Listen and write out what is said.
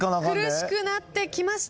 苦しくなってきました。